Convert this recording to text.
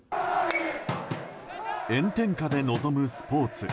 炎天下で臨むスポーツ。